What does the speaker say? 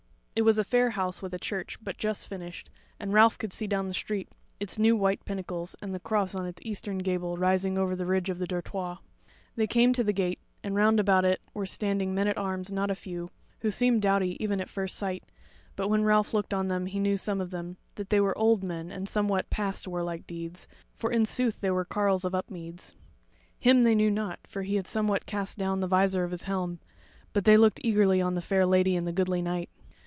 It was a fair house with a church but just finished, and Ralph could see down the street its new white pinnacles and the cross on its eastern gable rising over the ridge of the dortoir. They came to the gate, and round about it were standing men at arms not a few, who seemed doughty enough at first sight; but when Ralph looked on them he knew some of them, that they were old men, and somewhat past warlike deeds, for in sooth they were carles of Upmeads. Him they knew not, for he had somewhat cast down the visor of his helm; but they looked eagerly on the fair lady and the goodly knight.